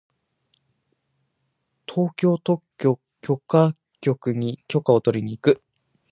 東京特許許可局に特許をとりに行く。